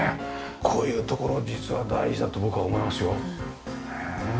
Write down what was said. こういうところ実は大事だと僕は思いますよ。へえ。